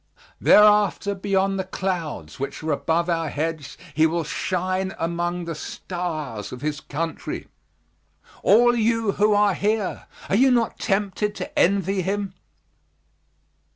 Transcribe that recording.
Thereafter beyond the clouds, which are above our heads, he will shine among the stars of his country. All you who are here, are you not tempted to envy him?